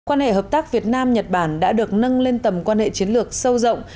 quan hệ hợp tác việt nam nhật bản đã được nâng lên tầm quan hệ chiến lược sâu rộng